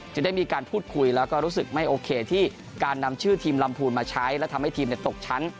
จะได้มีการพูดคุยแล้วก็รู้สึกไม่โอเคที่การนำชื่อทีมลำพูนมาใช้และทำให้ทีมตกชั้น